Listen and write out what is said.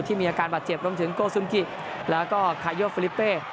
มีอาการบาดเจ็บรวมถึงโกซึมกิแล้วก็คาโยฟิลิเป้